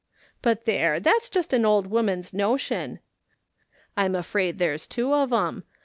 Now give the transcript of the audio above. But there, that's just an old ■woman's notion. I'm afraid there's two of 'em.